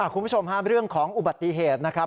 คุณผู้ชมฮะเรื่องของอุบัติเหตุนะครับ